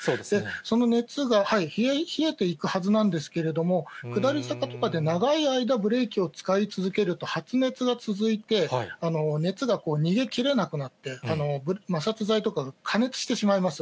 その熱が冷えていくはずなんですけれども、下り坂とかで長い間、ブレーキを使い続けると、発熱が続いて、熱が逃げ切れなくなって、摩擦材とかが過熱してしまいます。